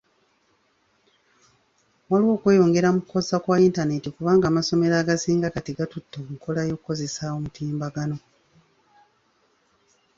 Waliwo okweyongera mu kukozesa kwa yintaneti kubanga amasomero agasinga kati gatutte enkola y'okukozesa omutimbagano.